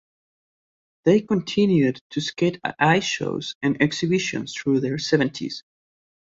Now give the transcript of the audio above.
They continued to skate at ice shows and exhibitions through their seventies.